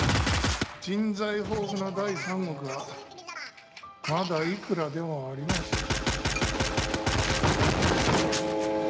人材豊富な第三国はまだいくらでもあります